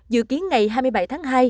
dự kiến ngày hai mươi bảy tháng hai